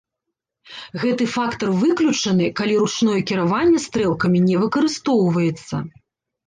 Гэты фактар выключаны, калі ручное кіраванне стрэлкамі не выкарыстоўваецца.